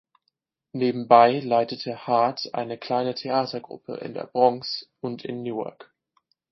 Nebenbei leitete Hart eine kleine Theatergruppe in der Bronx und in Newark.